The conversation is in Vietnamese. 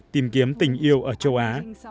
tìm kiếm tình yêu ở châu á